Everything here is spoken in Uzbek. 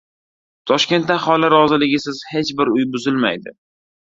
Toshkentda aholi roziligisiz hech bir uy buzilmaydi